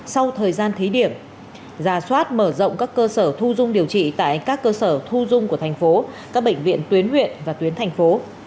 sau thời gian thí điểm giả soát mở rộng các cơ sở thu dung điều trị tại các cơ sở thu dung của thành phố các bệnh viện tuyến huyện và tuyến thành phố